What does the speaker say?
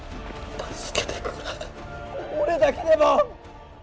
助けてくれ俺だけでも！